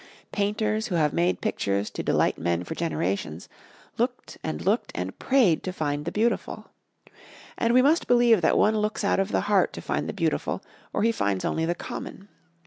Painters, who have made pictures to delight men for generations, looked and looked and prayed to find the beautiful. And we must believe that one looks out of the heart to find the beautiful or he finds only the common.